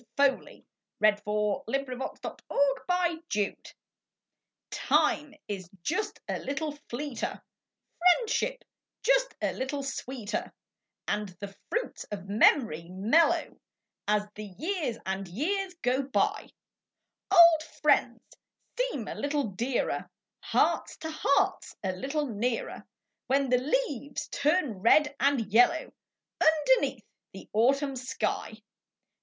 fOLEY «*«. ©CI.A597234 IME is "just a little fleeter; priendship just a little sweeter; And the jruits of memoru mellcrcO ' I As the Ljears and Ejears ao btj. d Old 'friends seem a little dearer; Hearts to Hearts a little nearer, ( ADhen the leases turn red and Ljello^ Underneath the Autumn shij.